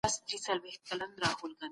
سوسیالیستي نظام کي شخصي ملکیت نسته.